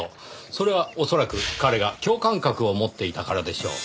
それは恐らく彼が共感覚を持っていたからでしょう。